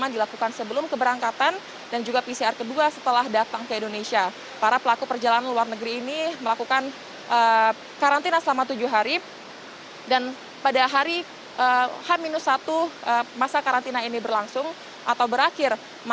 dan juga pcr dua hari